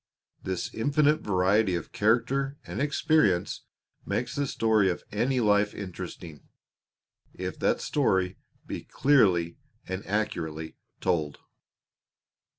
This infinite variety of character and experience makes the story of any life interesting, if that story be clearly and accurately told.